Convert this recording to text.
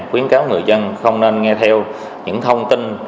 khuyến cáo người dân không nên nghe theo những thông tin